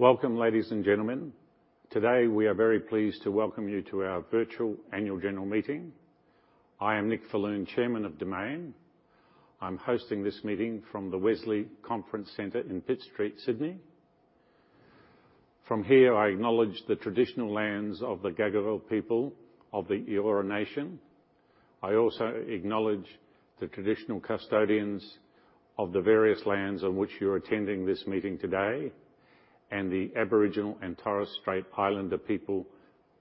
Welcome, ladies and gentlemen. Today, we are very pleased to welcome you to our virtual Annual General Meeting. I am Nick Falloon, Chairman of Domain. I'm hosting this meeting from the Wesley Conference Center in Pitt Street, Sydney. From here, I acknowledge the traditional lands of the Gadigal people of the Eora Nation. I also acknowledge the traditional custodians of the various lands on which you're attending this meeting today, and the Aboriginal and Torres Strait Islander people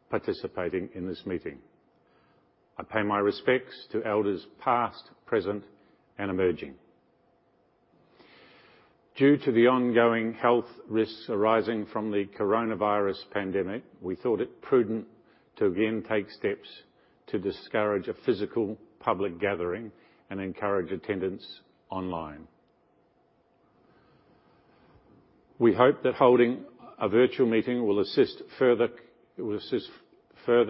participating in this meeting. I pay my respects to elders past, present, and emerging. Due to the ongoing health risks arising from the coronavirus pandemic, we thought it prudent to again take steps to discourage a physical public gathering and encourage attendance online. We hope that holding a virtual meeting will assist further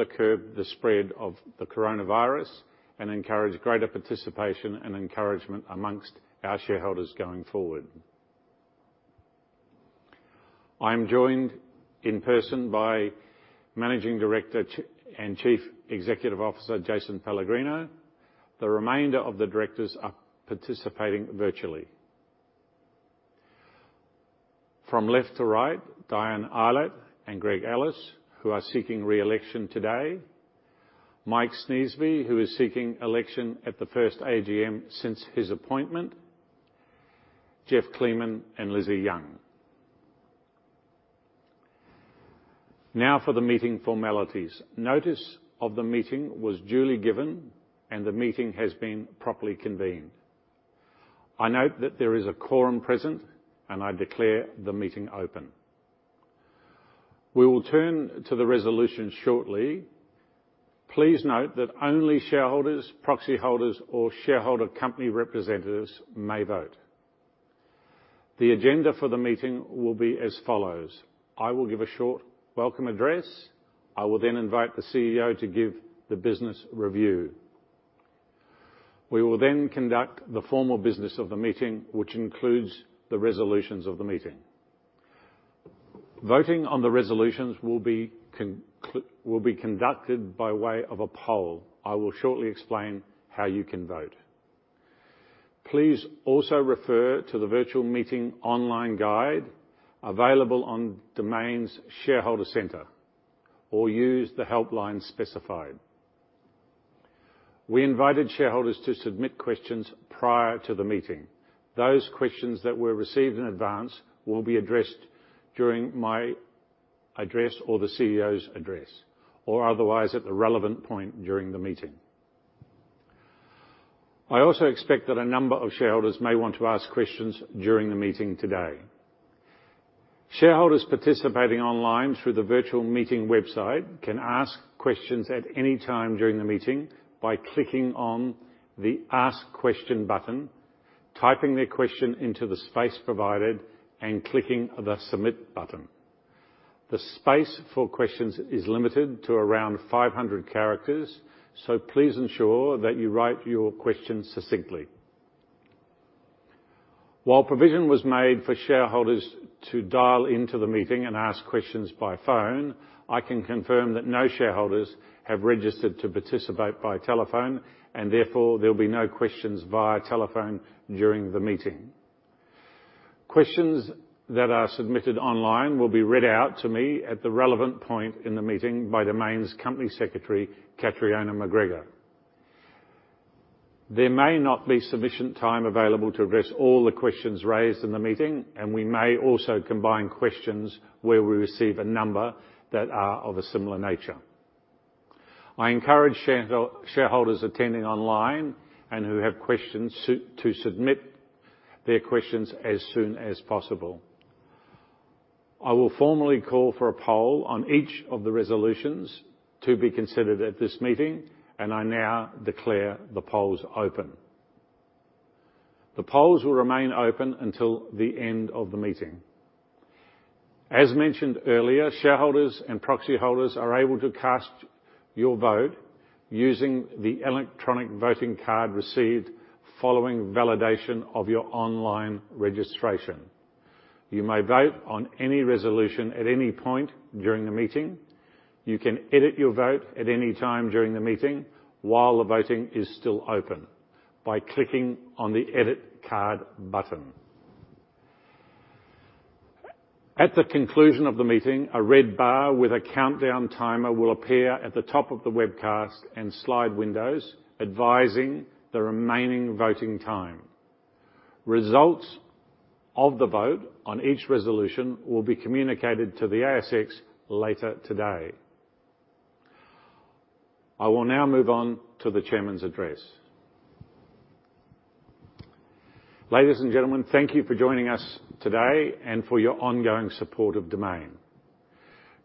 curb the spread of the coronavirus and encourage greater participation and encouragement among our shareholders going forward. I'm joined in person by Managing Director and Chief Executive Officer, Jason Pellegrino. The remainder of the directors are participating virtually. From left to right, Diana Eilert and Greg Ellis, who are seeking re-election today. Mike Sneesby, who is seeking election at the first AGM since his appointment. Geoff Kleemann and Lizzie Young. Now for the meeting formalities. Notice of the Meeting was duly given, and the meeting has been properly convened. I note that there is a quorum present, and I declare the meeting open. We will turn to the resolution shortly. Please note that only shareholders, proxy holders or shareholder company representatives may vote. The agenda for the meeting will be as follows. I will give a short welcome address. I will then invite the CEO to give the business review. We will then conduct the formal business of the meeting, which includes the resolutions of the meeting. Voting on the resolutions will be conducted by way of a poll. I will shortly explain how you can vote. Please also refer to the virtual meeting online guide available on Domain's shareholder center or use the helpline specified. We invited shareholders to submit questions prior to the meeting. Those questions that were received in advance will be addressed during my address or the CEO's address, or otherwise at the relevant point during the meeting. I also expect that a number of shareholders may want to ask questions during the meeting today. Shareholders participating online through the virtual meeting website can ask questions at any time during the meeting by clicking on the Ask Question button, typing their question into the space provided, and clicking the Submit button. The space for questions is limited to around 500 characters, so please ensure that you write your questions succinctly. While provision was made for shareholders to dial into the meeting and ask questions by phone, I can confirm that no shareholders have registered to participate by telephone and therefore there will be no questions via telephone during the meeting. Questions that are submitted online will be read out to me at the relevant point in the meeting by Domain's Company Secretary, Catriona McGregor. There may not be sufficient time available to address all the questions raised in the meeting, and we may also combine questions where we receive a number that are of a similar nature. I encourage shareholders attending online and who have questions to submit their questions as soon as possible. I will formally call for a poll on each of the resolutions to be considered at this meeting, and I now declare the polls open. The polls will remain open until the end of the meeting. As mentioned earlier, shareholders and proxy holders are able to cast your vote using the electronic voting card received following validation of your online registration. You may vote on any resolution at any point during the meeting. You can edit your vote at any time during the meeting while the voting is still open by clicking on the Edit Card button. At the conclusion of the meeting, a red bar with a countdown timer will appear at the top of the webcast and slide windows advising the remaining voting time. Results of the vote on each resolution will be communicated to the ASX later today. I will now move on to the Chairman's Address. Ladies and gentlemen, thank you for joining us today and for your ongoing support of Domain.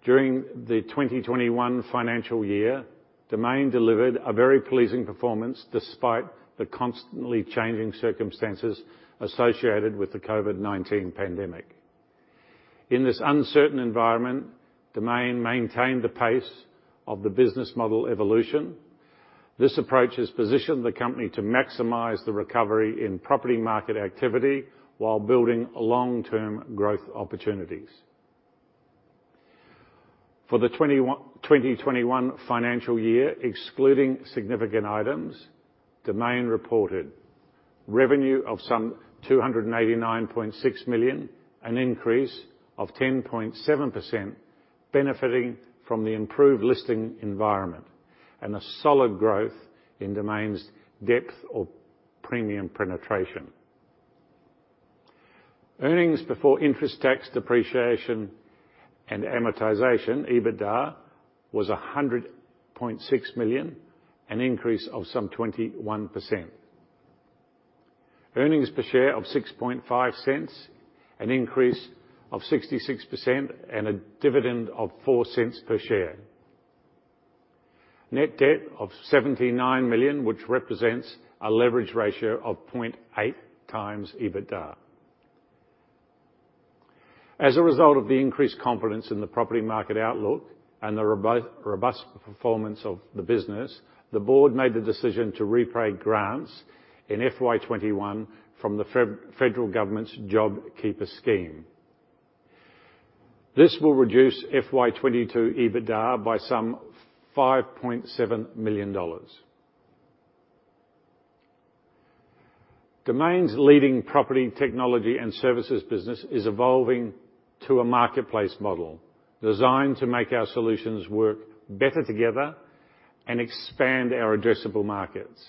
During the 2021 financial year, Domain delivered a very pleasing performance despite the constantly changing circumstances associated with the COVID-19 pandemic. In this uncertain environment, Domain maintained the pace of the business model evolution. This approach has positioned the company to maximize the recovery in property market activity while building long-term growth opportunities. For the 2021 financial year, excluding significant items, Domain reported revenue of some 289.6 million, an increase of 10.7%, benefiting from the improved listing environment and a solid growth in Domain's depth of premium penetration. Earnings before interest, tax, depreciation, and amortization, EBITDA, was 100.6 million, an increase of some 21%. Earnings per share of 0.065, an increase of 66%, and a dividend of 0.04 per share. Net debt of 79 million, which represents a leverage ratio of 0.8x EBITDA. As a result of the increased confidence in the property market outlook and the robust performance of the business, the Board made the decision to repay grants in FY 2021 from the federal government's JobKeeper scheme. This will reduce FY 2022 EBITDA by some AUD 5.7 million. Domain's leading property technology and services business is evolving to a marketplace model designed to make our solutions work better together and expand our addressable markets.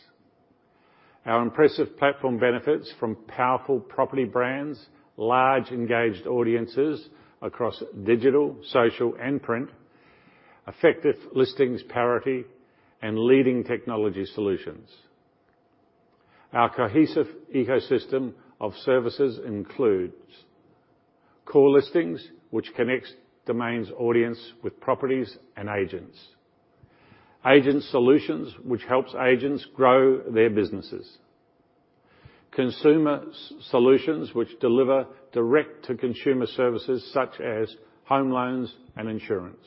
Our impressive platform benefits from powerful property brands, large engaged audiences across digital, social, and print, effective listings parity, and leading technology solutions. Our cohesive ecosystem of services includes Core Listings, which connects Domain's audience with properties and agents, Agent Solutions, which helps agents grow their businesses, Consumer Solutions, which deliver direct-to-consumer services such as home loans and insurance,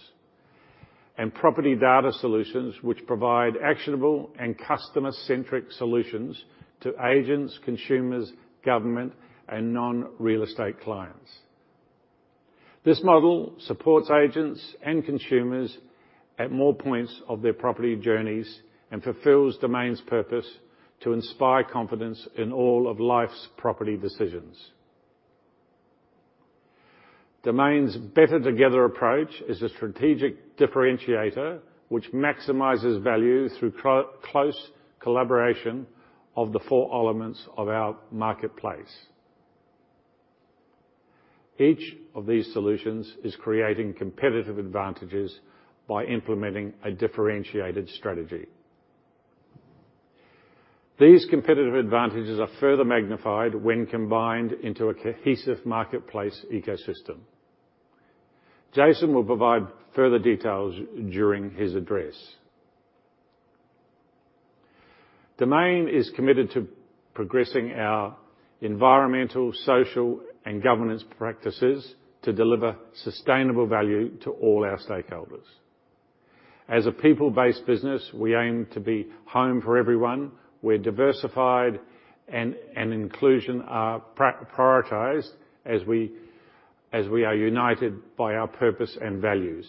and Property Data Solutions, which provide actionable and customer-centric solutions to agents, consumers, government, and non-real estate clients. This model supports agents and consumers at more points of their property journeys and fulfills Domain's purpose to inspire confidence in all of life's property decisions. Domain's Better Together approach is a strategic differentiator, which maximizes value through close collaboration of the four elements of our marketplace. Each of these solutions is creating competitive advantages by implementing a differentiated strategy. These competitive advantages are further magnified when combined into a cohesive marketplace ecosystem. Jason will provide further details during his address. Domain is committed to progressing our environmental, social, and governance practices to deliver sustainable value to all our stakeholders. As a people-based business, we aim to be home for everyone. Diversity and inclusion are prioritized as we are united by our purpose and values.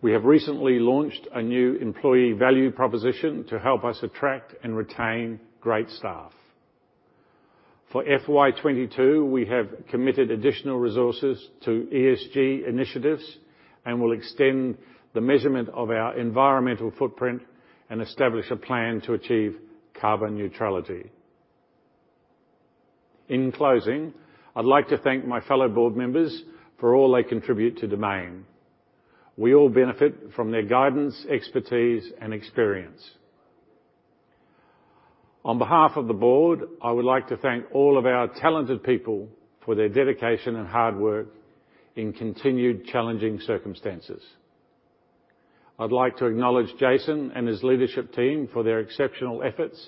We have recently launched a new employee value proposition to help us attract and retain great staff. For FY 2022, we have committed additional resources to ESG initiatives and will extend the measurement of our environmental footprint and establish a plan to achieve carbon neutrality. In closing, I'd like to thank my fellow board members for all they contribute to Domain. We all benefit from their guidance, expertise, and experience. On behalf of the Board, I would like to thank all of our talented people for their dedication and hard work in continued challenging circumstances. I'd like to acknowledge Jason and his Leadership Team for their exceptional efforts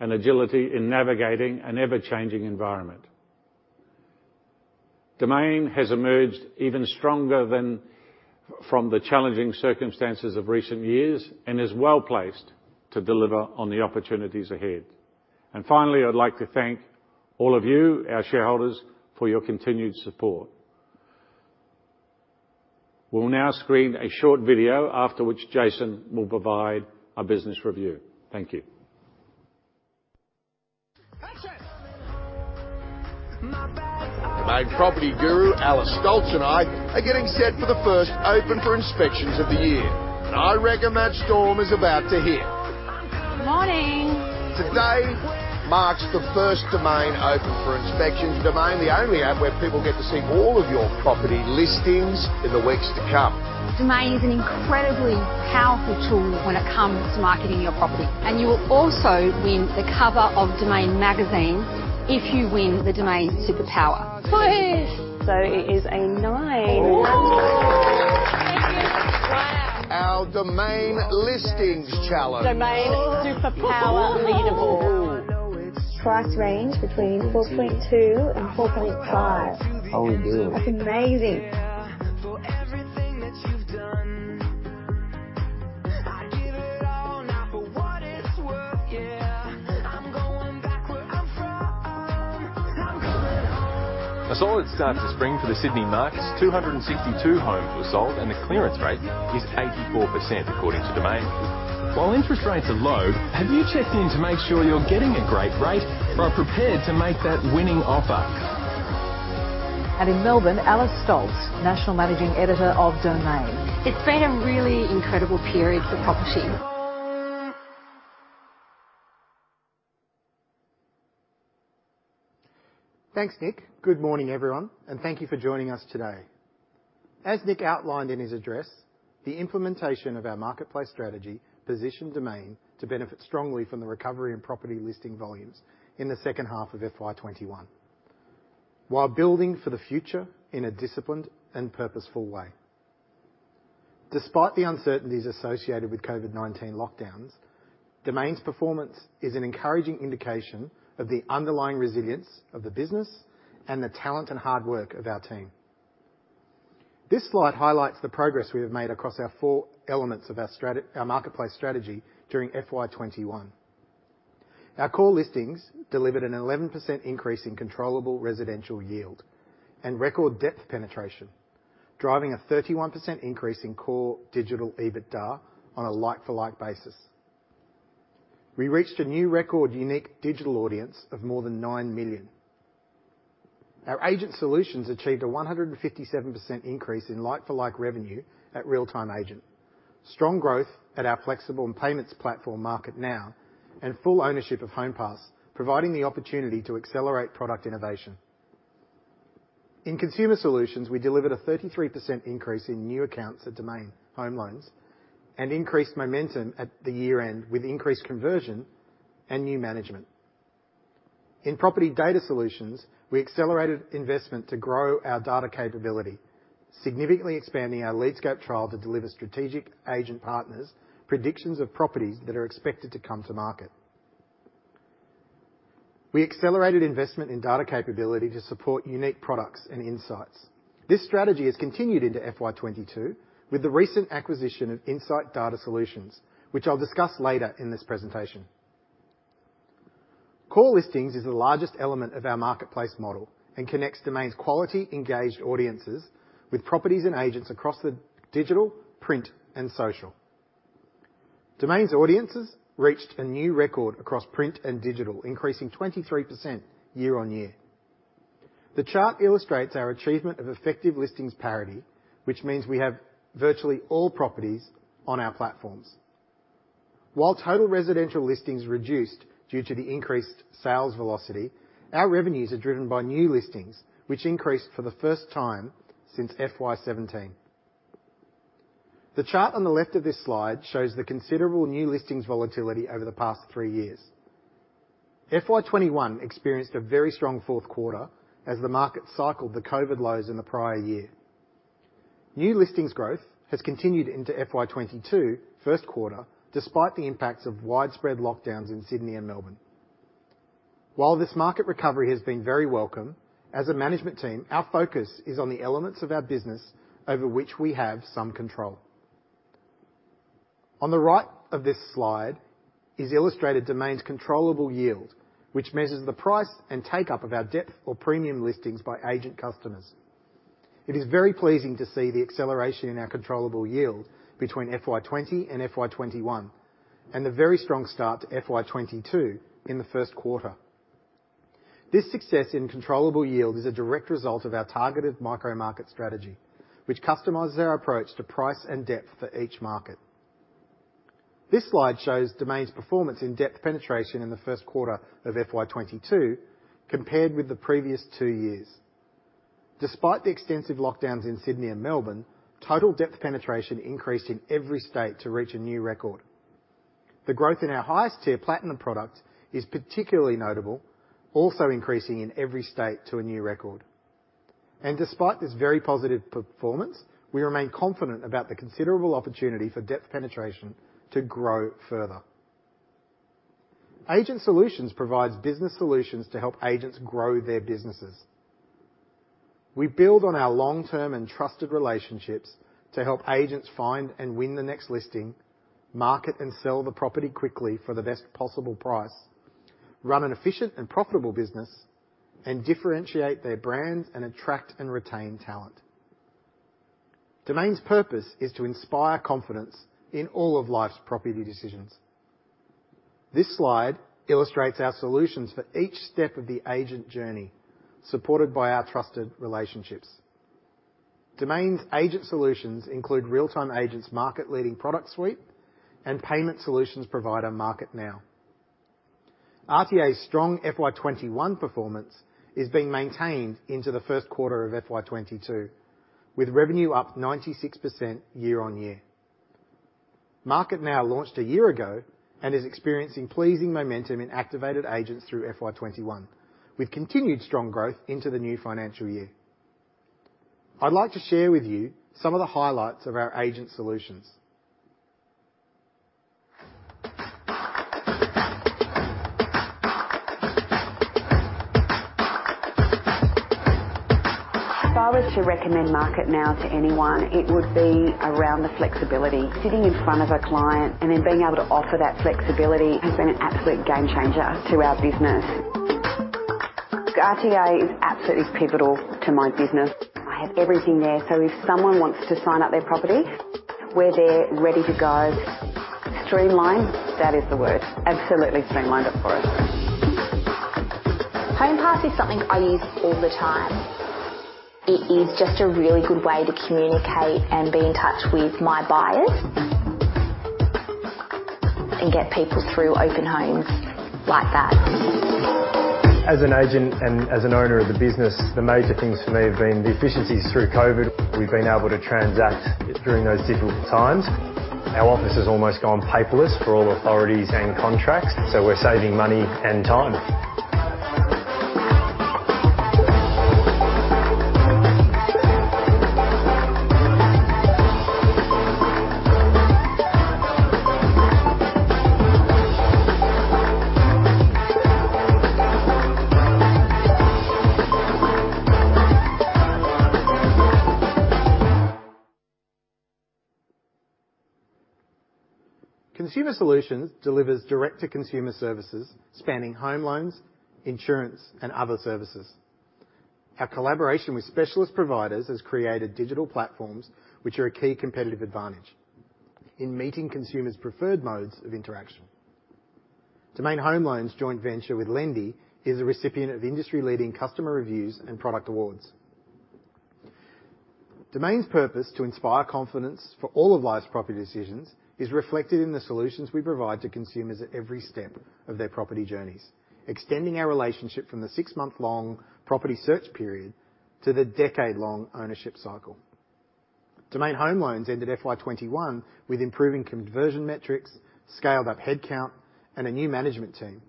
and agility in navigating an ever-changing environment. Domain has emerged even stronger than from the challenging circumstances of recent years and is well-placed to deliver on the opportunities ahead. Finally, I'd like to thank all of you, our shareholders, for your continued support. We'll now screen a short video, after which Jason will provide a business review. Thank you. Action! Domain property guru Alice Stolz and I are getting set for the first open for inspections of the year, and I reckon that storm is about to hit. Morning. Today marks the first Domain open for inspections. Domain, the only app where people get to see all of your property listings in the weeks to come. Domain is an incredibly powerful tool when it comes to marketing your property, and you will also win the cover of Domain Magazine if you win the Domain Superpower. Nice. It is a nine. Our Domain Listings Challenge. Domain Superpower Leaderboard. Price range between 4.2 and 4.5. Oh, good. That's amazing. A solid start to spring for the Sydney markets. 262 homes were sold, and the clearance rate is 84% according to Domain. While interest rates are low, have you checked in to make sure you're getting a great rate or are prepared to make that winning offer? In Melbourne, Alice Stolz, National Managing Editor of Domain. It's been a really incredible period for property. Thanks, Nick. Good morning, everyone, and thank you for joining us today. As Nick outlined in his address, the implementation of our marketplace strategy positioned Domain to benefit strongly from the recovery in property listing volumes in the second half of FY 2021, while building for the future in a disciplined and purposeful way. Despite the uncertainties associated with COVID-19 lockdowns, Domain's performance is an encouraging indication of the underlying resilience of the business and the talent and hard work of our team. This slide highlights the progress we have made across our four elements of our marketplace strategy during FY 2021. Our Core Listings delivered an 11% increase in controllable residential yield and record depth penetration, driving a 31% increase in core digital EBITDA on a like-for-like basis. We reached a new record unique digital audience of more than 9 million. Our Agent Solutions achieved a 157% increase in like-for-like revenue at Real Time Agent. Strong growth at our flexible and payments platform, MarketNow, and full ownership of Homepass, providing the opportunity to accelerate product innovation. In Consumer Solutions, we delivered a 33% increase in new accounts at Domain Home Loans and increased momentum at the year-end with increased conversion and new management. In Property Data Solutions, we accelerated investment to grow our data capability, significantly expanding our LeadScope trial to deliver strategic agent partners predictions of properties that are expected to come to market. We accelerated investment in data capability to support unique products and insights. This strategy has continued into FY 2022 with the recent acquisition of Insight Data Solutions, which I'll discuss later in this presentation. Core Listings is the largest element of our marketplace model and connects Domain's quality engaged audiences with properties and agents across the digital, print, and social. Domain's audiences reached a new record across print and digital, increasing 23% year-on-year. The chart illustrates our achievement of effective listings parity, which means we have virtually all properties on our platforms. While total residential listings reduced due to the increased sales velocity, our revenues are driven by new listings, which increased for the first time since FY 2017. The chart on the left of this slide shows the considerable new listings volatility over the past three years. FY 2021 experienced a very strong fourth quarter as the market cycled the COVID lows in the prior year. New listings growth has continued into FY 2022 first quarter, despite the impacts of widespread lockdowns in Sydney and Melbourne. While this market recovery has been very welcome, as a management team, our focus is on the elements of our business over which we have some control. On the right of this slide is illustrated Domain's controllable yield, which measures the price and take-up of our depth or premium listings by agent customers. It is very pleasing to see the acceleration in our controllable yield between FY 2020 and FY 2021, and the very strong start to FY 2022 in the first quarter. This success in controllable yield is a direct result of our targeted micro market strategy, which customizes our approach to price and depth for each market. This slide shows Domain's performance in depth penetration in the first quarter of FY 2022, compared with the previous two years. Despite the extensive lockdowns in Sydney and Melbourne, total depth penetration increased in every state to reach a new record. The growth in our highest tier Platinum product is particularly notable, also increasing in every state to a new record. Despite this very positive performance, we remain confident about the considerable opportunity for depth penetration to grow further. Agent Solutions provides business solutions to help agents grow their businesses. We build on our long-term and trusted relationships to help agents find and win the next listing, market and sell the property quickly for the best possible price, run an efficient and profitable business, and differentiate their brand and attract and retain talent. Domain's purpose is to inspire confidence in all of life's property decisions. This slide illustrates our solutions for each step of the agent journey, supported by our trusted relationships. Domain's Agent Solutions include Real Time Agent's market-leading product suite and payment solutions provider, MarketNow. RTA's strong FY 2021 performance is being maintained into the first quarter of FY 2022, with revenue up 96% year-on-year. MarketNow launched a year ago and is experiencing pleasing momentum in activated agents through FY 2021, with continued strong growth into the new financial year. I'd like to share with you some of the highlights of our Agent Solutions. If I was to recommend MarketNow to anyone, it would be around the flexibility. Sitting in front of a client, and then being able to offer that flexibility has been an absolute game changer to our business. The RTA is absolutely pivotal to my business. I have everything there, so if someone wants to sign up their property, we're there ready to go. Streamlined, that is the word. Absolutely streamlined it for us. Homepass is something I use all the time. It is just a really good way to communicate and be in touch with my buyers. Get people through open homes like that. As an agent and as an owner of the business, the major things for me have been the efficiencies through COVID. We've been able to transact during those difficult times. Our office has almost gone paperless for all authorities and contracts, so we're saving money and time. Consumer Solutions delivers direct-to-consumer services spanning home loans, insurance, and other services. Our collaboration with specialist providers has created digital platforms which are a key competitive advantage in meeting consumers' preferred modes of interaction. Domain Home Loans joint venture with Lendi is a recipient of industry-leading customer reviews and product awards. Domain's purpose to inspire confidence for all of life's property decisions is reflected in the solutions we provide to consumers at every step of their property journeys, extending our relationship from the six-month-long property search period to the decade-long ownership cycle. Domain Home Loans ended FY 2021 with improving conversion metrics, scaled-up head count, and a new management team.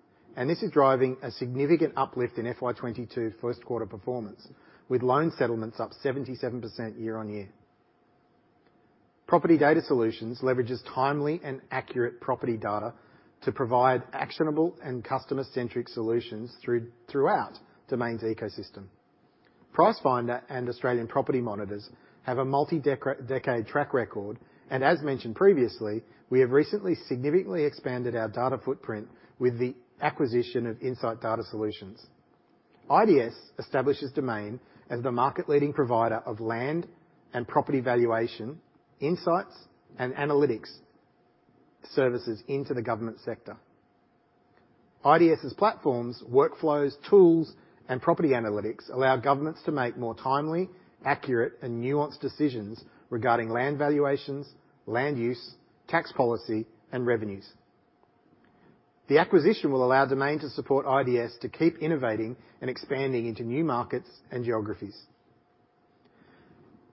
This is driving a significant uplift in FY 2022 first quarter performance, with loan settlements up 77% year on year. Property Data Solutions leverages timely and accurate property data to provide actionable and customer-centric solutions throughout Domain's ecosystem. Pricefinder and Australian Property Monitors have a multi-decade track record, and as mentioned previously, we have recently significantly expanded our data footprint with the acquisition of Insight Data Solutions. IDS establishes Domain as the market leading provider of land and property valuation, insights, and analytics services to the government sector. IDS's platforms, workflows, tools, and property analytics allow governments to make more timely, accurate, and nuanced decisions regarding land valuations, land use, tax policy, and revenues. The acquisition will allow Domain to support IDS to keep innovating and expanding into new markets and geographies.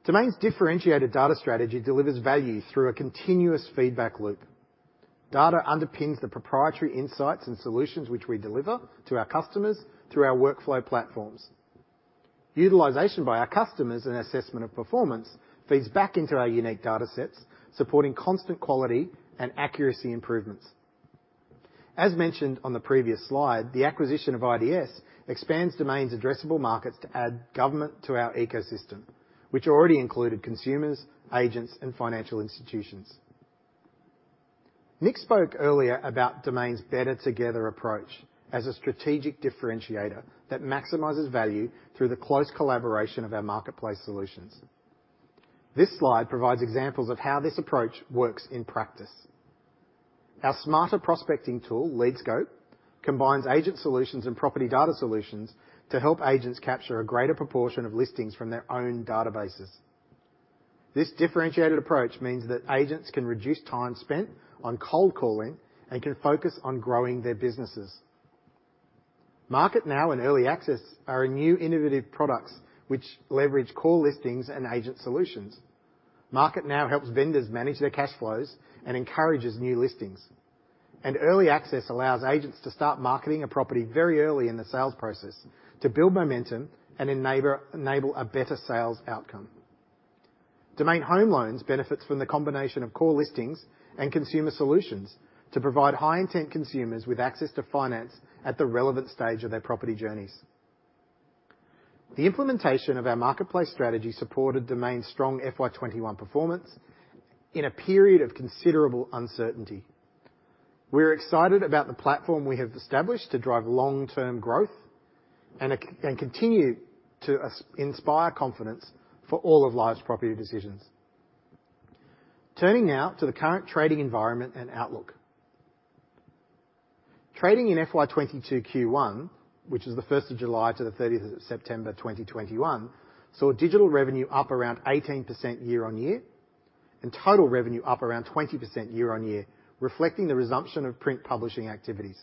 Domain's differentiated data strategy delivers value through a continuous feedback loop. Data underpins the proprietary insights and solutions which we deliver to our customers through our workflow platforms. Utilization by our customers and assessment of performance feeds back into our unique data sets, supporting constant quality and accuracy improvements. As mentioned on the previous slide, the acquisition of IDS expands Domain's addressable markets to add government to our ecosystem, which already included consumers, agents, and financial institutions. Nick spoke earlier about Domain's better together approach as a strategic differentiator that maximizes value through the close collaboration of our marketplace solutions. This slide provides examples of how this approach works in practice. Our smarter prospecting tool, LeadScope, combines agent solutions and property data solutions to help agents capture a greater proportion of listings from their own databases. This differentiated approach means that agents can reduce time spent on cold calling and can focus on growing their businesses. MarketNow and Early Access are our new innovative products, which leverage core listings and agent solutions. MarketNow helps vendors manage their cash flows and encourages new listings. Early Access allows agents to start marketing a property very early in the sales process to build momentum and enable a better sales outcome. Domain Home Loans benefits from the combination of core listings and consumer solutions to provide high-intent consumers with access to finance at the relevant stage of their property journeys. The implementation of our marketplace strategy supported Domain's strong FY 2021 performance in a period of considerable uncertainty. We're excited about the platform we have established to drive long-term growth and continue to aspire to inspire confidence for all of life's property decisions. Turning now to the current trading environment and outlook. Trading in FY 2022 Q1, which is July 1 to September 30, 2021, saw digital revenue up around 18% year-on-year, and total revenue up around 20% year-on-year, reflecting the resumption of print publishing activities.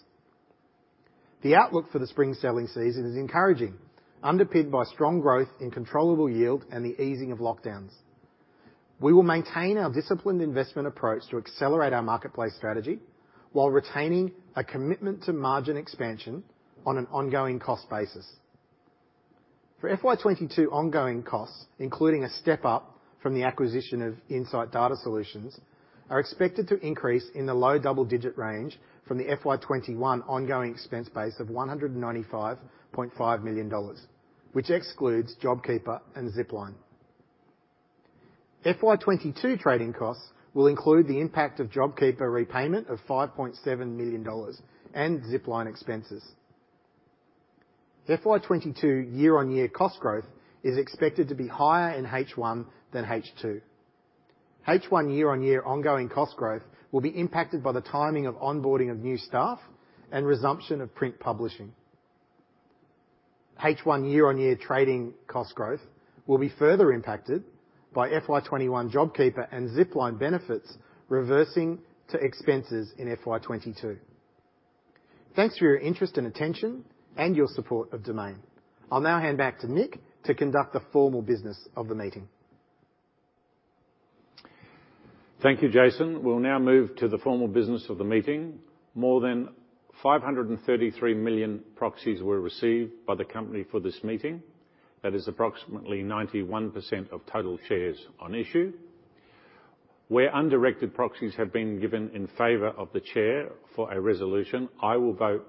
The outlook for the spring selling season is encouraging, underpinned by strong growth in controllable yield and the easing of lockdowns. We will maintain our disciplined investment approach to accelerate our marketplace strategy while retaining a commitment to margin expansion on an ongoing cost basis. For FY 2022 ongoing costs, including a step up from the acquisition of Insight Data Solutions, are expected to increase in the low double-digit range from the FY 2021 ongoing expense base of 195.5 million dollars, which excludes JobKeeper and Zipline. FY 2022 trading costs will include the impact of JobKeeper repayment of 5.7 million dollars and Zipline expenses. FY 2022 year-on-year cost growth is expected to be higher in H1 than H2. H1 year-on-year ongoing cost growth will be impacted by the timing of onboarding of new staff and resumption of print publishing. H1 year-on-year trading cost growth will be further impacted by FY 2021 JobKeeper and Zipline benefits reversing to expenses in FY 2022. Thanks for your interest and attention and your support of Domain. I'll now hand back to Nick to conduct the formal business of the meeting. Thank you, Jason. We'll now move to the formal business of the meeting. More than 533 million proxies were received by the company for this meeting. That is approximately 91% of total shares on issue. Where undirected proxies have been given in favor of the chair for a resolution, I will vote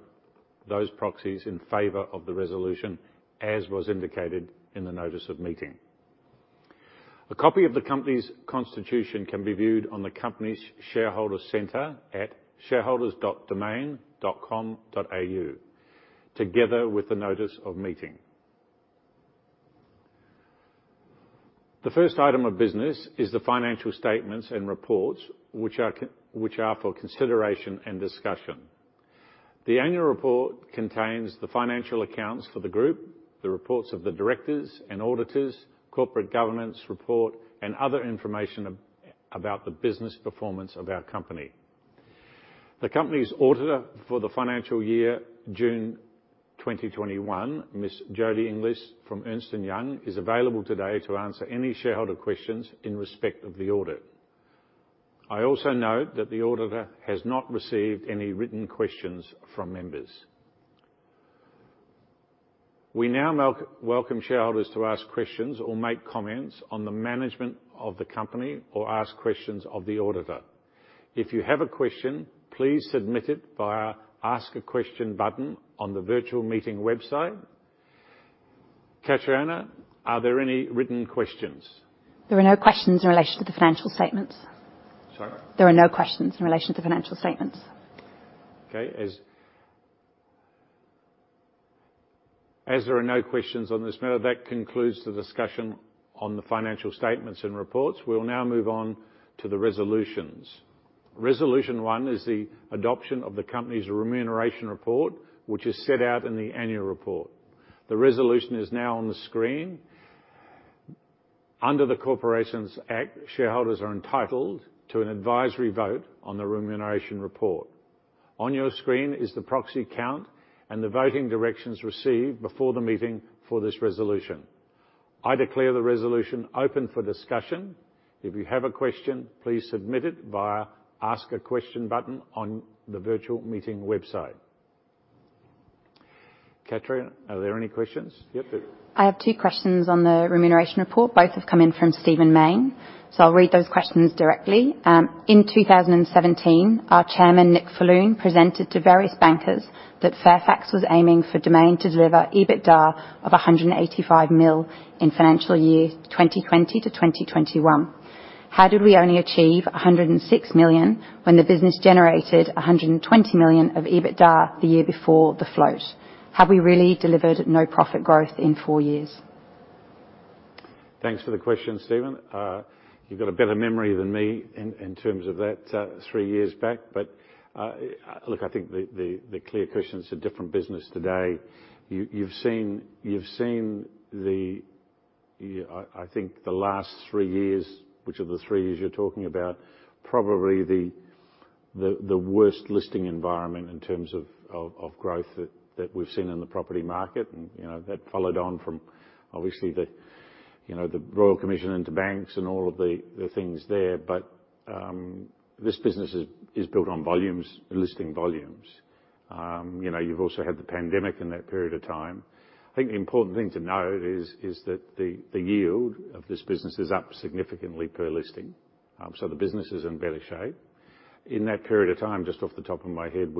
those proxies in favor of the resolution, as was indicated in the Notice of Meeting. A copy of the company's constitution can be viewed on the company's shareholder center at shareholders.domain.com.au, together with the Notice of Meeting. The first item of business is the financial statements and reports which are for consideration and discussion. The Annual Report contains the financial accounts for the group, the reports of the directors and auditors, corporate governance report, and other information about the business performance of our company. The company's auditor for the financial year June 2021, Ms. Jodie Inglis from Ernst & Young, is available today to answer any shareholder questions in respect of the audit. I also note that the auditor has not received any written questions from members. We now welcome shareholders to ask questions or make comments on the management of the company or ask questions of the auditor. If you have a question, please submit it via Ask a Question button on the virtual meeting website. Catriona, are there any written questions? There are no questions in relation to the financial statements. Sorry? There are no questions in relation to financial statements. Okay. As there are no questions on this matter, that concludes the discussion on the financial statements and reports. We'll now move on to the resolutions. Resolution 1 is the adoption of the company's Remuneration Report, which is set out in the Annual Report. The resolution is now on the screen. Under the Corporations Act, shareholders are entitled to an advisory vote on the Remuneration Report. On your screen is the proxy count and the voting directions received before the meeting for this resolution. I declare the resolution open for discussion. If you have a question, please submit it via Ask a Question button on the virtual meeting website. Catriona, are there any questions yet? I have two questions on the Remuneration Report. Both have come in from Stephen Mayne, so I'll read those questions directly. In 2017, our Chairman, Nick Falloon, presented to various bankers that Fairfax was aiming for Domain to deliver EBITDA of 185 million in financial year 2020 to 2021. How did we only achieve 106 million when the business generated 120 million of EBITDA the year before the float? Have we really delivered no profit growth in four years? Thanks for the question, Stephen. You've got a better memory than me in terms of that three years back. Look, I think the clear question, it's a different business today. You've seen. I think the last three years, which are the three years you're talking about, probably the worst listing environment in terms of growth that we've seen in the property market. You know, that followed on from obviously you know the Royal Commission into banks and all of the things there. This business is built on volumes, listing volumes. You know, you've also had the pandemic in that period of time. I think the important thing to note is that the yield of this business is up significantly per listing. The business is in better shape. In that period of time, just off the top of my head,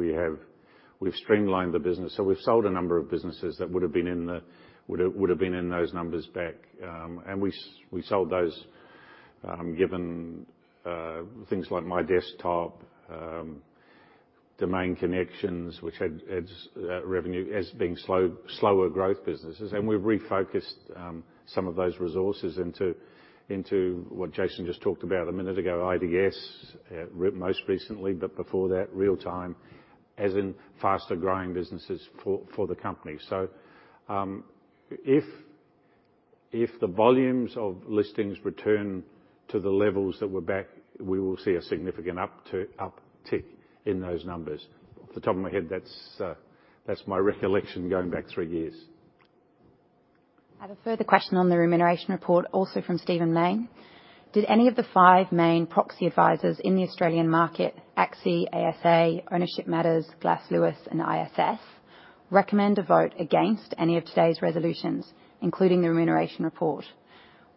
we've streamlined the business. We've sold a number of businesses that would have been in those numbers back. We sold those given things like MyDesktop, Home Connections, which has revenue as being slower growth businesses. We've refocused some of those resources into what Jason just talked about a minute ago, IDS most recently, but before that, Real Time Agent, as in faster growing businesses for the company. If the volumes of listings return to the levels that were back, we will see a significant uptick in those numbers. Off the top of my head, that's my recollection going back three years. I have a further question on the Remuneration Report, also from Stephen Mayne. Did any of the five main proxy advisors in the Australian market, ACSI, ASA, Ownership Matters, Glass Lewis and ISS, recommend a vote against any of today's resolutions, including the Remuneration Report?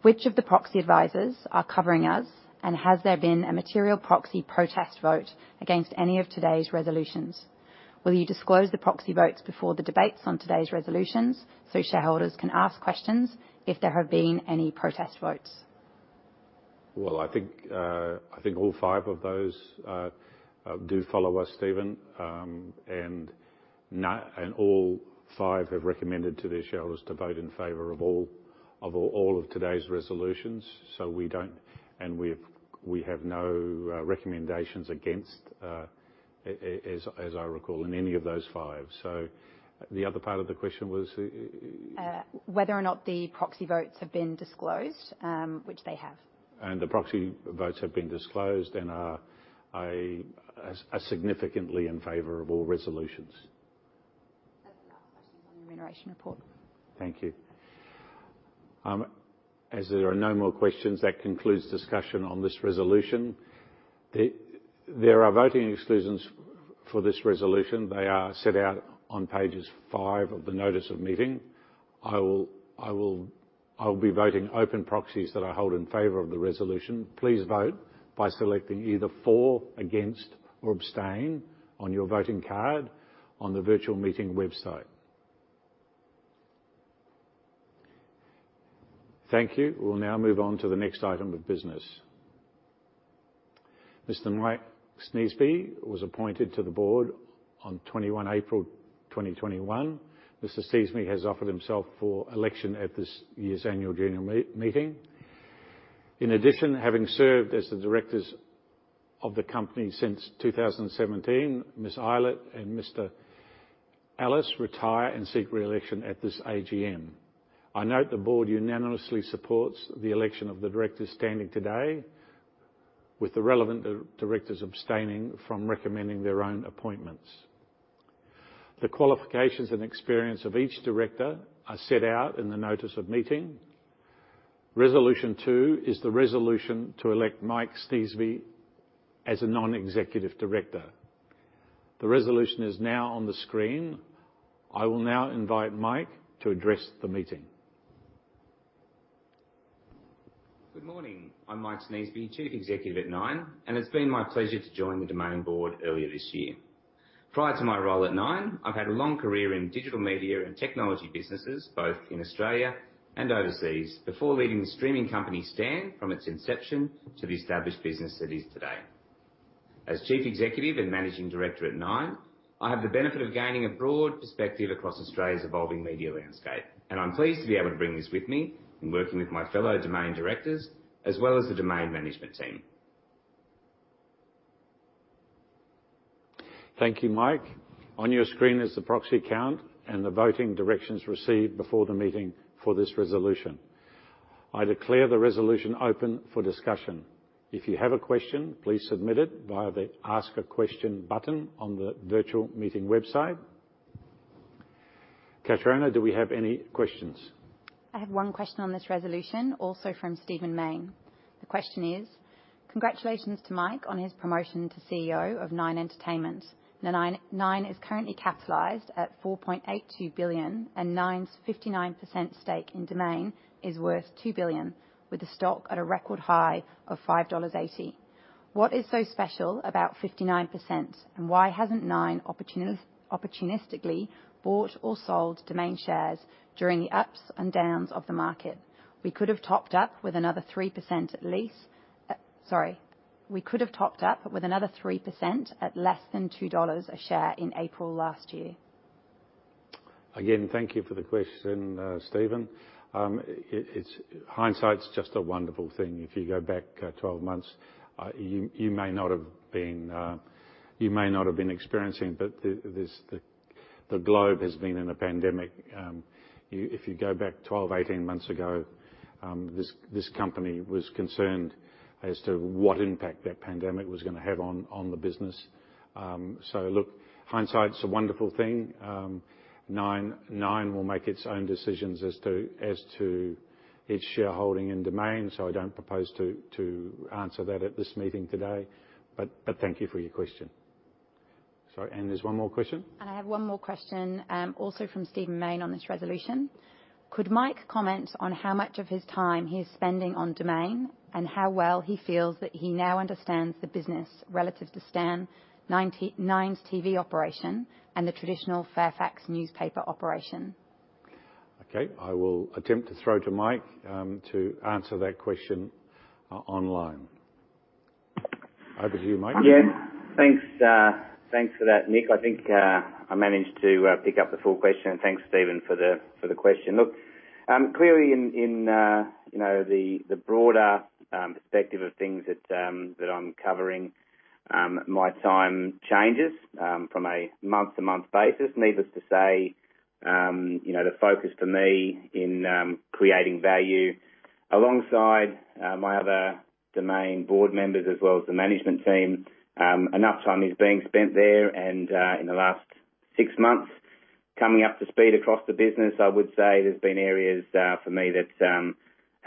Which of the proxy advisors are covering us? And has there been a material proxy protest vote against any of today's resolutions? Will you disclose the proxy votes before the debates on today's resolutions so shareholders can ask questions if there have been any protest votes? Well, I think all five of those do follow us, Stephen. All five have recommended to their shareholders to vote in favor of all of today's resolutions. We don't. We have no recommendations against, as I recall, in any of those five. The other part of the question was? Whether or not the proxy votes have been disclosed, which they have. The proxy votes have been disclosed and are significantly in favor of all resolutions. That's the last question on the Remuneration Report. Thank you. As there are no more questions, that concludes discussion on this resolution. There are voting exclusions for this resolution. They are set out on page five of the Notice of Meeting. I'll be voting open proxies that I hold in favor of the resolution. Please vote by selecting either for, against, or abstain on your voting card on the virtual meeting website. Thank you. We'll now move on to the next item of business. Mr. Mike Sneesby was appointed to the Board on 21 April 2021. Mr. Sneesby has offered himself for election at this year's Annual General Meeting. In addition, having served as the directors of the company since 2017, Ms. Eilert and Mr. Ellis retire and seek re-election at this AGM. I note the Board unanimously supports the election of the directors standing today, with the relevant directors abstaining from recommending their own appointments. The qualifications and experience of each director are set out in the Notice of Meeting. Resolution 2 is the resolution to elect Mike Sneesby as a non-executive director. The resolution is now on the screen. I will now invite Mike to address the meeting. Good morning. I'm Mike Sneesby, Chief Executive at Nine, and it's been my pleasure to join the Domain board earlier this year. Prior to my role at Nine, I've had a long career in digital media and technology businesses, both in Australia and overseas, before leading the streaming company Stan from its inception to the established business it is today. As Chief Executive and Managing Director at Nine, I have the benefit of gaining a broad perspective across Australia's evolving media landscape, and I'm pleased to be able to bring this with me in working with my fellow Domain directors as well as the Domain management team. Thank you, Mike. On your screen is the proxy count and the voting directions received before the meeting for this resolution. I declare the resolution open for discussion. If you have a question, please submit it via the Ask a Question button on the virtual meeting website. Catriona, do we have any questions? I have one question on this resolution, also from Stephen Mayne. The question is, congratulations to Mike on his promotion to CEO of Nine Entertainment. Now Nine is currently capitalized at 4.82 billion, and Nine's 59% stake in Domain is worth 2 billion, with the stock at a record high of 5.80 dollars. What is so special about 59%, and why hasn't Nine opportunistically bought or sold Domain shares during the ups and downs of the market? We could have topped up with another 3% at least. We could have topped up with another 3% at less than 2 dollars a share in April last year. Again, thank you for the question, Stephen Mayne. Hindsight's just a wonderful thing. If you go back 12 months, you may not have been experiencing, but the globe has been in a pandemic. If you go back 12, 18 months ago, this company was concerned as to what impact that pandemic was gonna have on the business. Look, hindsight's a wonderful thing. Nine will make its own decisions as to its shareholding in Domain, so I don't propose to answer that at this meeting today. Thank you for your question. Sorry, there's one more question? I have one more question, also from Stephen Mayne on this resolution. Could Mike comment on how much of his time he is spending on Domain, and how well he feels that he now understands the business relative to Stan, Nine's TV operation and the traditional Fairfax newspaper operation? Okay, I will attempt to throw to Mike, to answer that question, online. Over to you, Mike. Yeah. Thanks for that, Nick. I think I managed to pick up the full question, and thanks Stephen for the question. Look, clearly in, you know, the broader perspective of things that I'm covering, my time changes from a month-to-month basis. Needless to say, you know, the focus for me in creating value alongside my other Domain board members as well as the management team, enough time is being spent there. In the last six months, coming up to speed across the business, I would say there's been areas for me that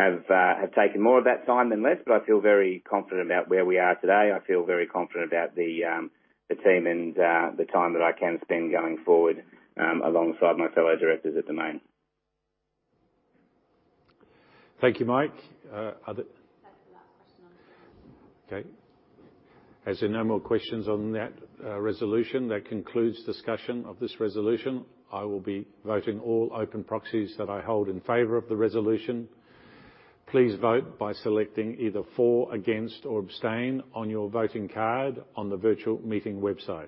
have taken more of that time than less, but I feel very confident about where we are today. I feel very confident about the team and the time that I can spend going forward alongside my fellow directors at Domain. Thank you, Mike. That's the last question on this resolution. Okay. As there are no more questions on that resolution, that concludes discussion of this resolution. I will be voting all open proxies that I hold in favor of the resolution. Please vote by selecting either for, against, or abstain on your voting card on the virtual meeting website.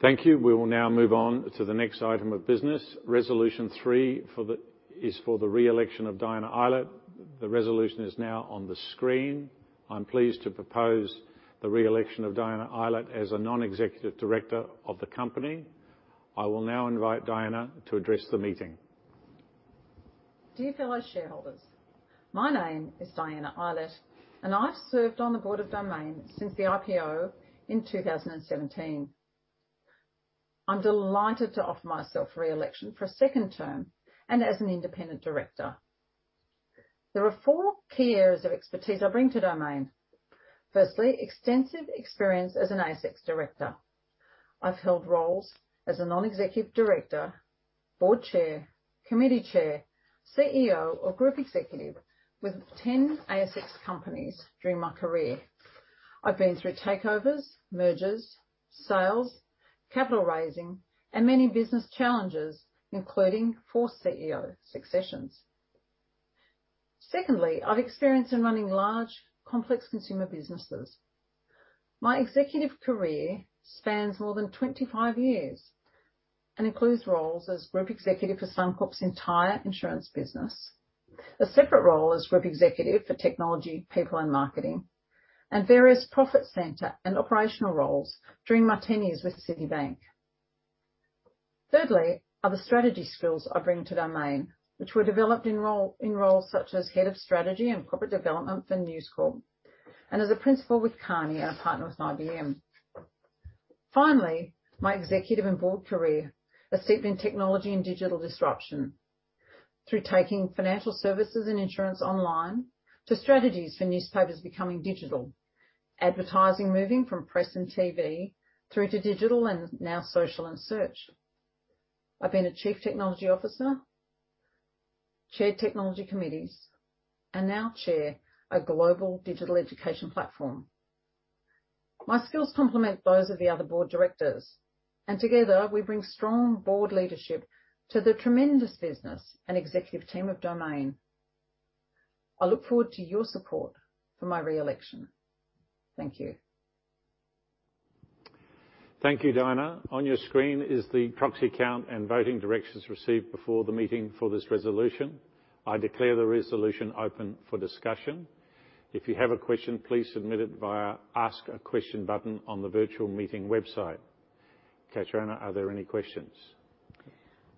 Thank you. We will now move on to the next item of business. Resolution 3 is for the re-election of Diana Eilert. The resolution is now on the screen. I'm pleased to propose the re-election of Diana Eilert as a Non-Executive Director of the company. I will now invite Diana to address the meeting. Dear fellow shareholders, my name is Diana Eilert, and I've served on the board of Domain since the IPO in 2017. I'm delighted to offer myself re-election for a second term, and as an independent director. There are four key areas of expertise I bring to Domain. Firstly, extensive experience as an ASX director. I've held roles as a Non-Executive Director, Board Chair, Committee Chair, CEO or Group Executive with 10 ASX companies during my career. I've been through takeovers, mergers, sales, capital raising, and many business challenges, including four CEO successions. Secondly, I've experience in running large, complex consumer businesses. My executive career spans more than 25 years and includes roles as group executive for Suncorp's entire insurance business, a separate role as group executive for technology, people and marketing, and various profit center and operational roles during my 10 years with Citibank. Thirdly are the strategy skills I bring to Domain, which were developed in roles such as Head of Strategy and Corporate Development for News Corp, and as a principal with Kearney and a partner with IBM. Finally, my executive and board career are steeped in technology and digital disruption through taking financial services and insurance online to strategies for newspapers becoming digital, advertising moving from press and TV through to digital and now social and search. I've been a Chief Technology Officer, chaired technology committees, and now chair a global digital education platform. My skills complement those of the other board directors, and together we bring strong board leadership to the tremendous business and executive team of Domain. I look forward to your support for my re-election. Thank you. Thank you, Diana. On your screen is the proxy count and voting directions received before the meeting for this resolution. I declare the resolution open for discussion. If you have a question, please submit it via Ask a Question button on the virtual meeting website. Catriona, are there any questions?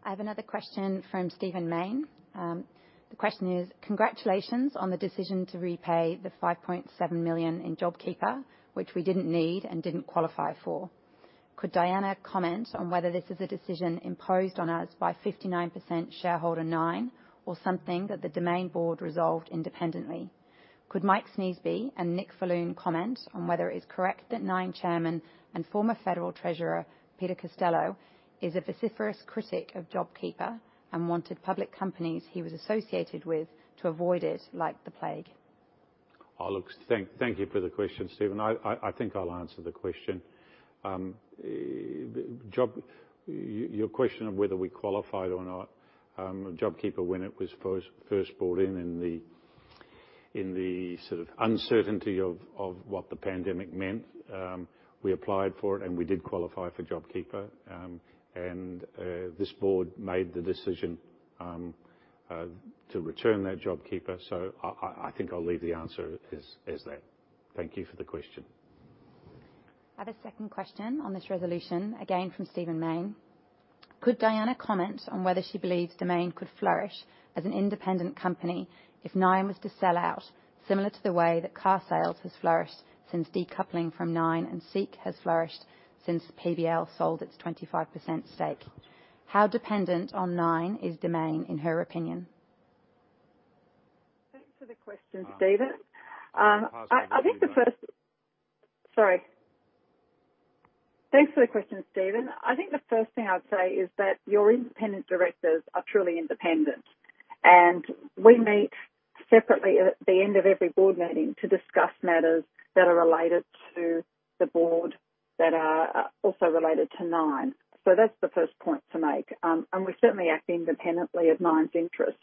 I have another question from Stephen Mayne. The question is, congratulations on the decision to repay the 5.7 million in JobKeeper, which we didn't need and didn't qualify for. Could Diana comment on whether this is a decision imposed on us by 59% shareholder Nine, or something that the Domain board resolved independently? Could Mike Sneesby and Nick Falloon comment on whether it is correct that Nine chairman and former federal treasurer Peter Costello is a vociferous critic of JobKeeper and wanted public companies he was associated with to avoid it like the plague? Oh, look, thank you for the question, Stephen. I think I'll answer the question. Your question of whether we qualified or not, JobKeeper, when it was first brought in the sort of uncertainty of what the pandemic meant, we applied for it, and we did qualify for JobKeeper. This Board made the decision to return that JobKeeper. I think I'll leave the answer as that. Thank you for the question. I have a second question on this resolution, again from Stephen Mayne. Could Diana comment on whether she believes Domain could flourish as an independent company if Nine was to sell out, similar to the way that carsales has flourished since decoupling from Nine and SEEK has flourished since PBL sold its 25% stake? How dependent on Nine is Domain in her opinion? Thanks for the question, Stephen. I think the first- Just pause one moment, Diana. Sorry. Thanks for the question, Stephen. I think the first thing I'd say is that your independent directors are truly independent, and we meet separately at the end of every board meeting to discuss matters that are related to the Board that are also related to Nine. That's the first point to make. We certainly act independently of Nine's interests.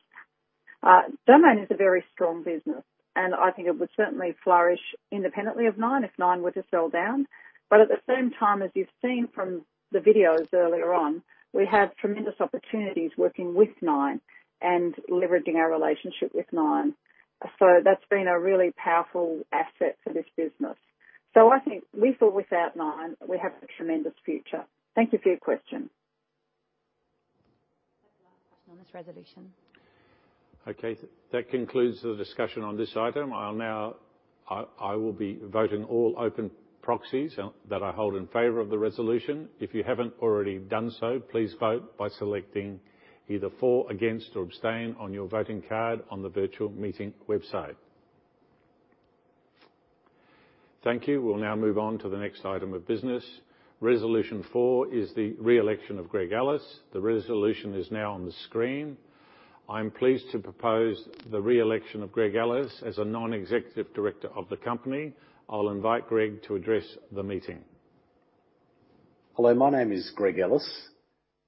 Domain is a very strong business, and I think it would certainly flourish independently of Nine if Nine were to sell down. At the same time, as you've seen from the videos earlier on, we have tremendous opportunities working with Nine and leveraging our relationship with Nine. That's been a really powerful asset for this business. I think we feel without Nine, we have a tremendous future. Thank you for your question. On this resolution. Okay. That concludes the discussion on this item. I will be voting all open proxies that I hold in favor of the resolution. If you haven't already done so, please vote by selecting either for, against, or abstain on your voting card on the virtual meeting website. Thank you. We'll now move on to the next item of business. Resolution 4 is the re-election of Greg Ellis. The resolution is now on the screen. I'm pleased to propose the re-election of Greg Ellis as a Non-Executive Director of the company. I'll invite Greg to address the meeting. Hello, my name is Greg Ellis.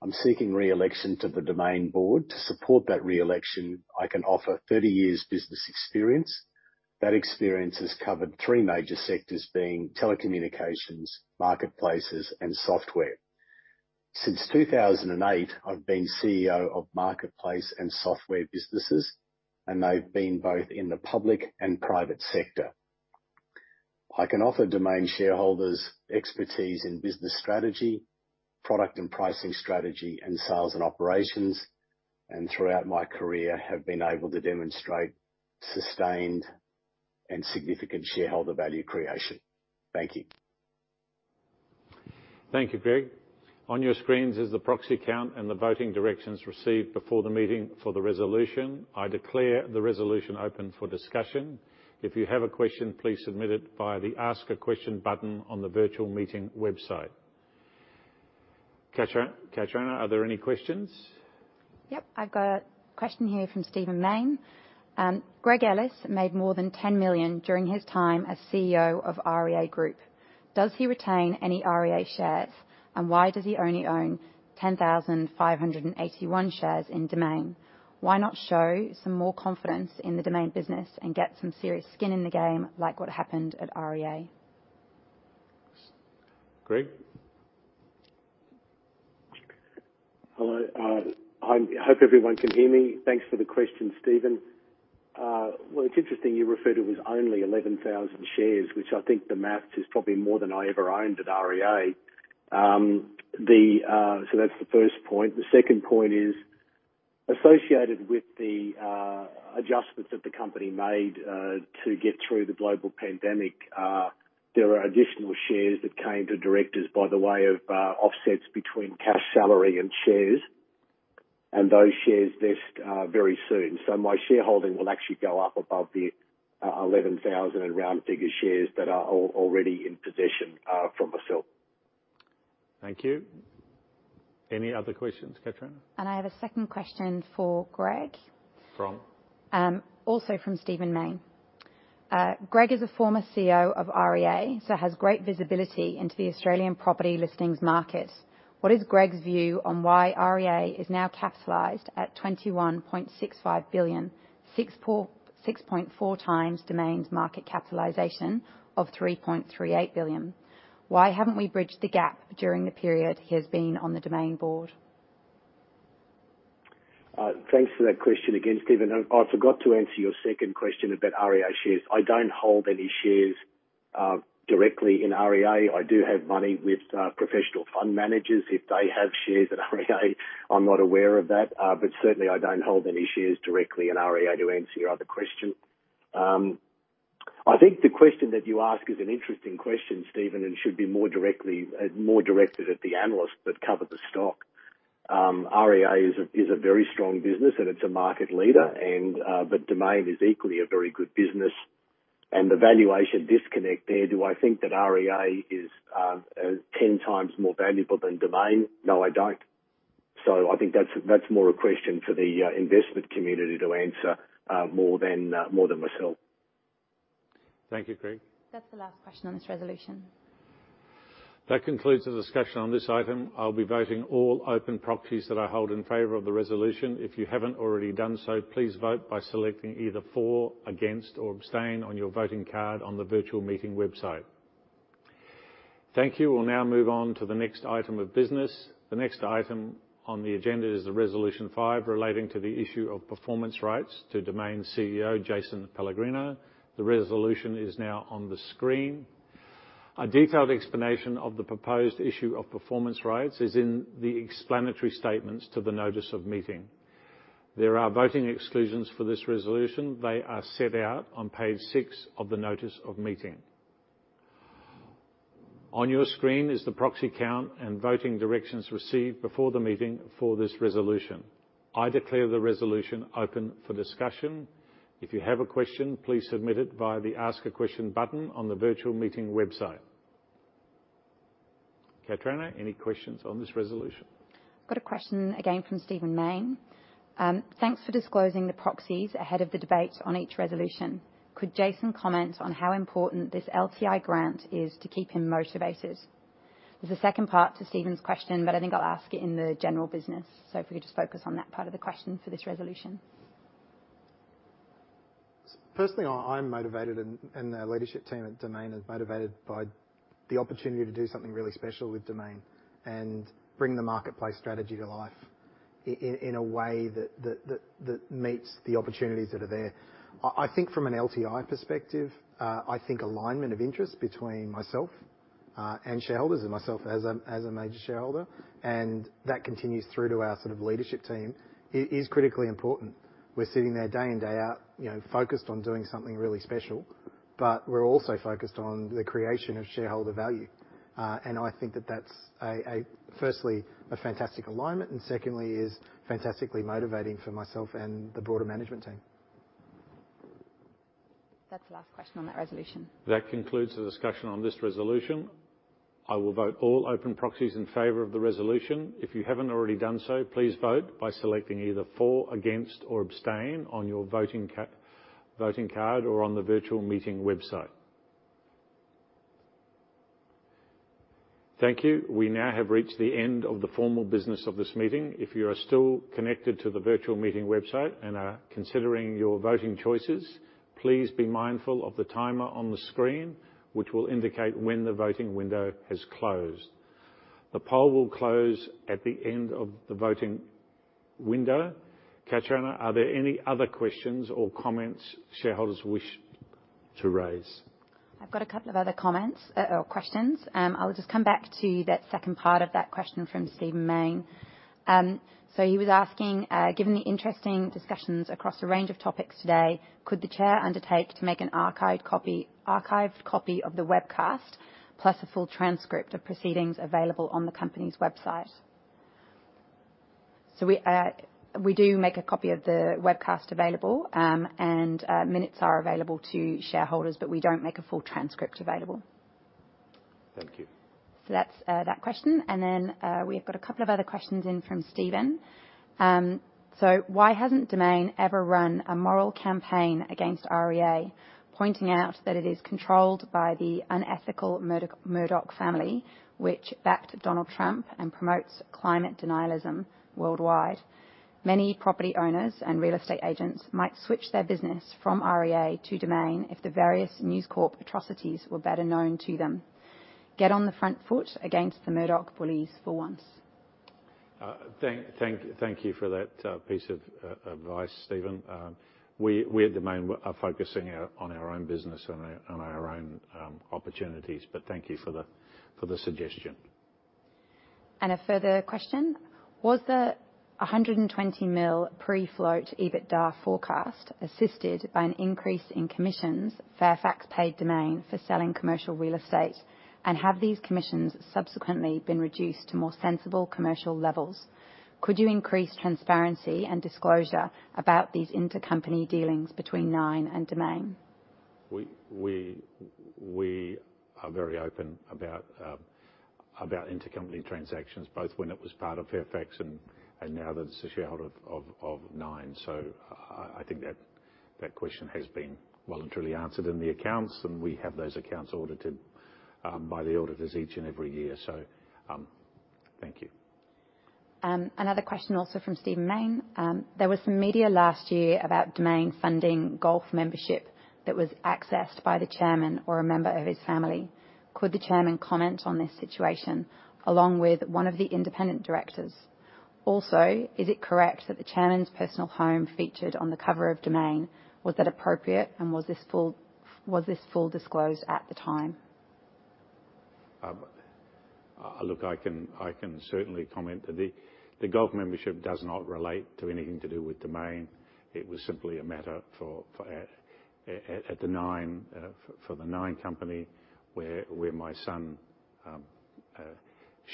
I'm seeking re-election to the Domain board. To support that re-election, I can offer 30 years business experience. That experience has covered three major sectors, being telecommunications, marketplaces, and software. Since 2008, I've been CEO of marketplace and software businesses, and they've been both in the public and private sector. I can offer Domain shareholders expertise in business strategy, product and pricing strategy, and sales and operations, and throughout my career have been able to demonstrate sustained and significant shareholder value creation. Thank you. Thank you, Greg. On your screens is the proxy count and the voting directions received before the meeting for the resolution. I declare the resolution open for discussion. If you have a question, please submit it via the Ask a Question button on the virtual meeting website. Catriona, are there any questions? Yep, I've got a question here from Stephen Mayne. Greg Ellis made more than 10 million during his time as CEO of REA Group. Does he retain any REA shares? Why does he only own 10,581 shares in Domain? Why not show some more confidence in the Domain business and get some serious skin in the game like what happened at REA? Greg? Hello. I hope everyone can hear me. Thanks for the question, Stephen. Well, it's interesting you refer to as only 11,000 shares, which I think the math is probably more than I ever owned at REA. That's the first point. The second point is associated with the adjustments that the company made to get through the global pandemic. There are additional shares that came to directors by way of offsets between cash salary and shares, and those shares vest very soon. My shareholding will actually go up above the 11,000 round figure shares that are already in possession from myself. Thank you. Any other questions, Catriona? I have a second question for Greg. From? Also from Stephen Mayne. Greg is a former CEO of REA, so has great visibility into the Australian property listings market. What is Greg's view on why REA is now capitalized at 21.65 billion, 6.4x Domain's market capitalization of 3.38 billion? Why haven't we bridged the gap during the period he has been on the Domain board? Thanks for that question again, Stephen. I forgot to answer your second question about REA shares. I don't hold any shares directly in REA. I do have money with professional fund managers. If they have shares at REA, I'm not aware of that. But certainly I don't hold any shares directly in REA to answer your other question. I think the question that you ask is an interesting question, Stephen, and should be more directly more directed at the analysts that cover the stock. REA is a very strong business and it's a market leader and but Domain is equally a very good business. The valuation disconnect there, do I think that REA is 10x more valuable than Domain? No, I don't. I think that's more a question for the investment community to answer, more than myself. Thank you, Greg. That's the last question on this resolution. That concludes the discussion on this item. I'll be voting all open proxies that I hold in favor of the resolution. If you haven't already done so, please vote by selecting either for, against, or abstain on your voting card on the virtual meeting website. Thank you. We'll now move on to the next item of business. The next item on the agenda is the Resolution 5 relating to the issue of performance rights to Domain CEO, Jason Pellegrino. The resolution is now on the screen. A detailed explanation of the proposed issue of performance rights is in the explanatory statements to the Notice of Meeting. There are voting exclusions for this resolution. They are set out on page six of the Notice of Meeting. On your screen is the proxy count and voting directions received before the meeting for this resolution. I declare the resolution open for discussion. If you have a question, please submit it via the Ask a Question button on the virtual meeting website. Catriona, any questions on this resolution? Got a question again from Stephen Mayne. Thanks for disclosing the proxies ahead of the debate on each resolution. Could Jason comment on how important this LTI grant is to keep him motivated? There's a second part to Stephen's question, but I think I'll ask it in the general business. If we could just focus on that part of the question for this resolution. Personally, I'm motivated and the leadership team at Domain is motivated by the opportunity to do something really special with Domain and bring the marketplace strategy to life in a way that meets the opportunities that are there. I think from an LTI perspective, I think alignment of interest between myself and shareholders and myself as a major shareholder, and that continues through to our sort of leadership team, is critically important. We're sitting there day in, day out, you know, focused on doing something really special, but we're also focused on the creation of shareholder value. I think that's firstly a fantastic alignment, and secondly is fantastically motivating for myself and the broader management team. That's the last question on that resolution. That concludes the discussion on this resolution. I will vote all open proxies in favor of the resolution. If you haven't already done so, please vote by selecting either for, against, or abstain on your voting card or on the virtual meeting website. Thank you. We now have reached the end of the formal business of this meeting. If you are still connected to the virtual meeting website and are considering your voting choices, please be mindful of the timer on the screen, which will indicate when the voting window has closed. The poll will close at the end of the voting window. Catriona, are there any other questions or comments shareholders wish to raise? I've got a couple of other comments or questions. I'll just come back to that second part of that question from Stephen Mayne. So he was asking, given the interesting discussions across a range of topics today, could the Chair undertake to make an archived copy of the webcast, plus a full transcript of proceedings available on the company's website? We do make a copy of the webcast available, and minutes are available to shareholders, but we don't make a full transcript available. Thank you. That's that question. We've got a couple of other questions in from Stephen. Why hasn't Domain ever run a moral campaign against REA, pointing out that it is controlled by the unethical Murdoch family, which backed Donald Trump and promotes climate denialism worldwide? Many property owners and real estate agents might switch their business from REA to Domain if the various News Corp atrocities were better known to them. Get on the front foot against the Murdoch bullies for once. Thank you for that piece of advice, Stephen. We at Domain are focusing on our own business and our own opportunities. Thank you for the suggestion. A further question: Was the 120 million pre-float EBITDA forecast assisted by an increase in commissions Fairfax paid Domain for selling commercial real estate? Have these commissions subsequently been reduced to more sensible commercial levels? Could you increase transparency and disclosure about these intercompany dealings between Nine and Domain? We are very open about intercompany transactions, both when it was part of Fairfax and now that it's a shareholder of Nine. I think that question has been well and truly answered in the accounts, and we have those accounts audited by the auditors each and every year. Thank you. Another question also from Stephen Mayne. There was some media last year about Domain funding golf membership that was accessed by the chairman or a member of his family. Could the chairman comment on this situation along with one of the independent directors? Also, is it correct that the chairman's personal home featured on the cover of Domain? Was that appropriate, and was this fully disclosed at the time? Look, I can certainly comment on the golf membership, which does not relate to anything to do with Domain. It was simply a matter for the Nine company, where my son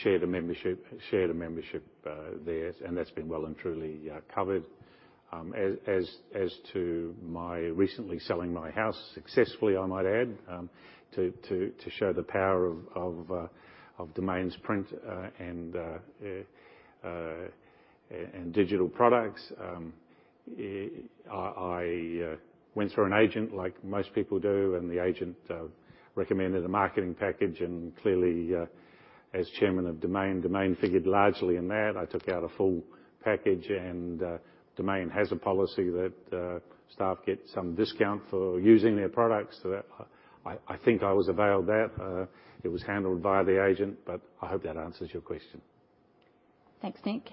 shared a membership there, and that's been well and truly covered. As to my recently selling my house successfully, I might add, to show the power of Domain's print and digital products, I went through an agent like most people do, and the agent recommended a marketing package and clearly, as Chairman of Domain figured largely in that. I took out a full package, and Domain has a policy that staff get some discount for using their products. That I think I was availed that it was handled via the agent, but I hope that answers your question. Thanks, Nick.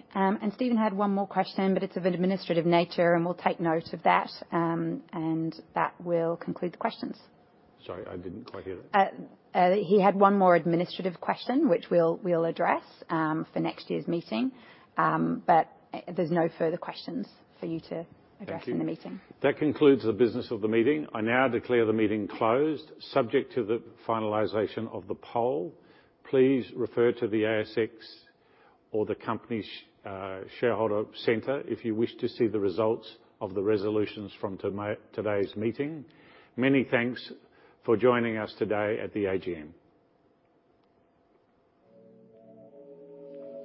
Stephen had one more question, but it's of an administrative nature, and we'll take note of that, and that will conclude the questions. Sorry, I didn't quite hear that. He had one more administrative question, which we'll address for next year's meeting. There's no further questions for you to address. Thank you. in the meeting. That concludes the business of the meeting. I now declare the meeting closed, subject to the finalization of the poll. Please refer to the ASX or the company's shareholder center if you wish to see the results of the resolutions from today's meeting. Many thanks for joining us today at the AGM.